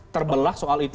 terbelah soal itu